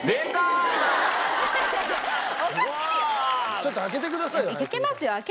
ちょっと開けてくださいよ早く。